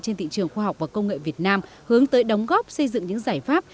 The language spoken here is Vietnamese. trên thị trường khoa học và công nghệ việt nam hướng tới đóng góp xây dựng những giải pháp